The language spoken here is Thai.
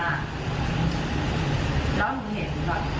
เออหนูกลัวว่ามันจะมีกระแสในด้านลมมากเลย